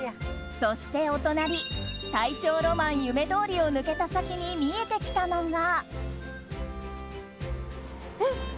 そして、お隣大正浪漫夢通りを抜けた先に見えてきたのが。